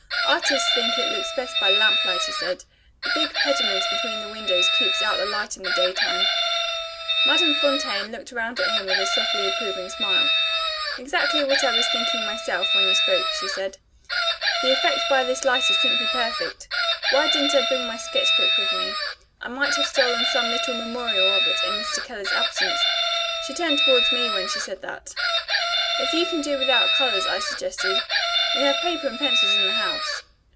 "Artists think it looks best by lamplight," he said. "The big pediment between the windows keeps out the light in the daytime." Madame Fontaine looked round at him with a softly approving smile. "Exactly what I was thinking myself, when you spoke," she said. "The effect by this light is simply perfect. Why didn't I bring my sketch book with me? I might have stolen some little memorial of it, in Mr. Keller's absence." She turned towards me when she said that. "If you can do without colors," I suggested, "we have paper and pencils in the house."